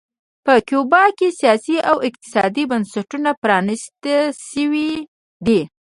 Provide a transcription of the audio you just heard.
په کولمبیا کې سیاسي او اقتصادي بنسټونه پرانیست شوي دي.